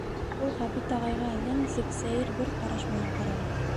Ул Ғәбит ағайға әллә нисек, сәйер бер ҡараш менән ҡараны.